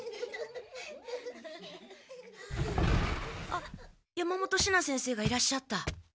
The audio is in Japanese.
あっ山本シナ先生がいらっしゃった。